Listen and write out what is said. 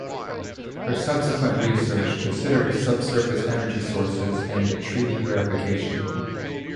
Her subsequent research considered subsurface energy sources and treaty verification.